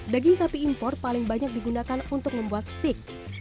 daging sapi impor paling banyak digunakan untuk membuat steak